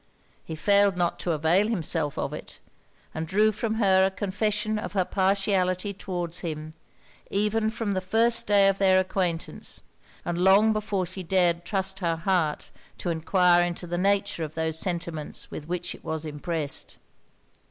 He failed not to avail himself of it; and drew from her a confession of her partiality towards him, even from the first day of their acquaintance; and long before she dared trust her heart to enquire into the nature of those sentiments with which it was impressed.